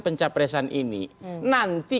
pencapresan ini nanti